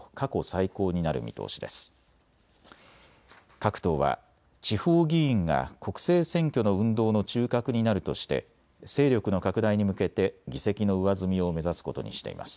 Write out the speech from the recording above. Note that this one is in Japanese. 各党は地方議員が国政選挙の運動の中核になるとして勢力の拡大に向けて議席の上積みを目指すことにしています。